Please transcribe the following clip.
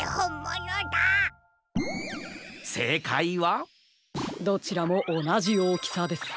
せいかいはどちらもおなじおおきさです。